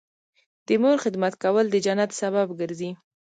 د مور خدمت کول د جنت سبب ګرځي